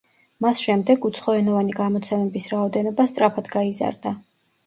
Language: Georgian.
მას შემდეგ უცხოენოვანი გამოცემების რაოდენობა სწრაფად გაიზარდა.